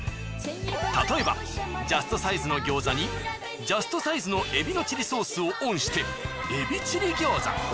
例えばジャストサイズの餃子にジャストサイズの海老のチリソースをオンして海老チリ餃子。